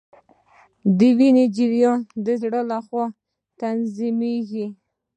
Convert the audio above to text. د وینې جریان د زړه لخوا تنظیمیږي